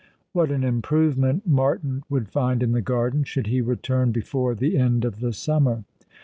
What an improvement Martin would find in the garden, should he return before tho end of the summer